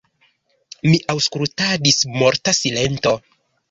Mi aŭskultadis – morta silento.